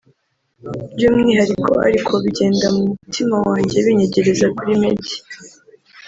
by’umwihariko ariko bigenda mu mutima wanjye binyegereza kuri Media